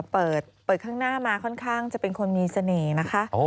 เปิดข้างหน้ามาค่อนข้างจะเป็นคนมีเสน่ห์นะคะ